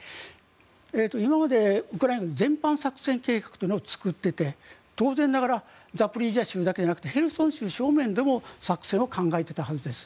今まで、ウクライナ軍全般作戦計画というのを作っていて当然ながらザポリージャ州だけではなくてヘルソン州から正面からの作戦も考えていたはずです。